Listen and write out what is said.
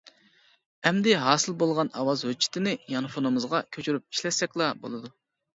ئەمدى ھاسىل بولغان ئاۋاز ھۆججىتىنى يانفونىمىزغا كۆچۈرۈپ ئىشلەتسەكلا بولىدۇ.